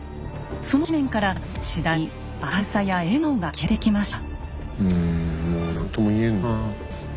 その誌面から次第に明るさや笑顔が消えていきました。